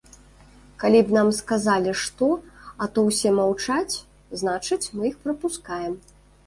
Калі б нам сказалі што, а то ўсе маўчаць, значыць, мы іх прапускаем.